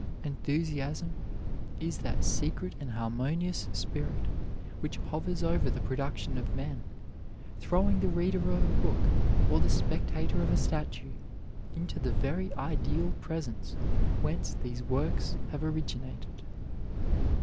Enthusiasm is that secret and harmonious spirit which hovers over the production of genius, throwing the reader of a book, or the spectator of a statue, into the very ideal presence whence these works have originated.